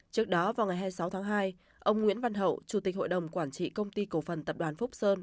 trước đó vào ngày hai mươi sáu tháng hai ông nguyễn văn hậu chủ tịch hội đồng quản trị công ty cổ phần tập đoàn phúc sơn